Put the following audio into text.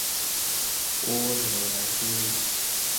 乌牛栏之役。